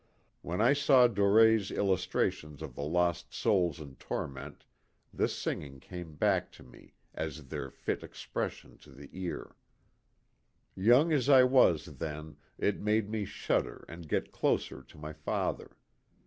When I saw Dore"s illustrations of the lost souls in torment this singing came back to me as their fit expression to the ear. THE "DECK HAND." 15 Young as I was then it made me shudder and get closer to my father.